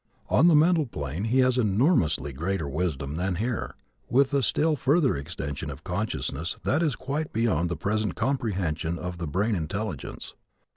On the mental plane he has enormously greater wisdom than here, with a still further extension of consciousness that is quite beyond the present comprehension of the brain intelligence.